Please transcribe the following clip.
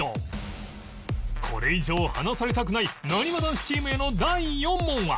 これ以上離されたくないなにわ男子チームへの第４問は